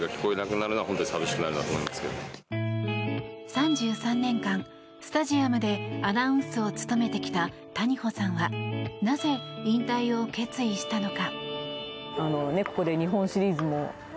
３３年間、スタジアムでアナウンスを務めてきた谷保さんはなぜ、引退を決意したのか。